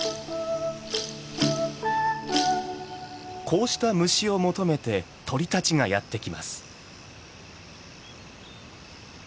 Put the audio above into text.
こうした虫を求めて鳥たちがやって来ます。